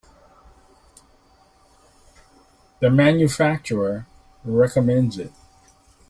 The manufacturer recommends it.